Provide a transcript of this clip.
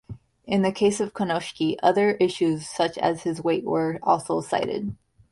In the case of Konishiki, other issues such as his weight were also cited.